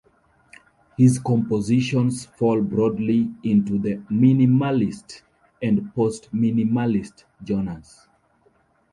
His compositions fall broadly into the minimalist and postminimalist genres.